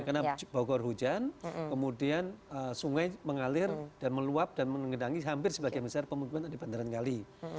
karena bau gaur hujan kemudian sungai mengalir dan meluap dan mengendangi hampir sebagian besar pemukiman di bantaran kali